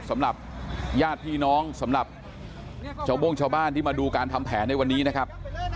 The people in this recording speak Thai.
สำหรับญาติพี่น้องสำหรับชาวโบ้งชาวบ้านที่มาดูการทำแผนในวันนี้นะครับ